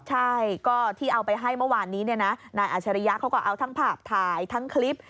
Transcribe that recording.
ใช่ก็ที่เอาไปให้เมื่อวานนี้เนี่ยนะนายอาชริยะเขาก็เอาทั้งภาพถ่ายทั้งคลิป